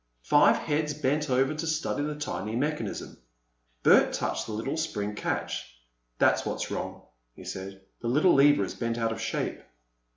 Five heads bent over to study the tiny mechanism. Bert touched the little spring catch. "That's what's wrong," he said. "The little lever is bent out of shape."